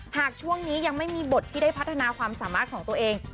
หากช่วงนี้ยังไม่มีบทที่ได้พัฒนาความสามารถของตัวเอง